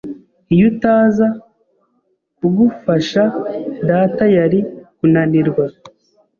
Iyo utaza kugufasha, data yari kunanirwa.